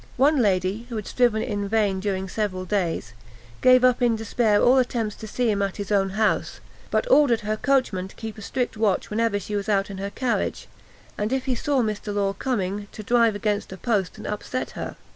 One lady, who had striven in vain during several days, gave up in despair all attempts to see him at his own house, but ordered her coachman to keep a strict watch whenever she was out in her carriage, and if he saw Mr. Law coming, to drive against a post and upset her.